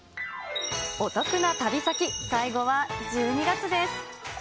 お得な旅先、最後は１２月です。